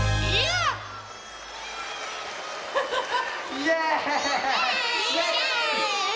イエーイ！